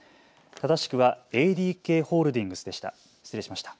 正しくはＡＤＫホールディングスでした。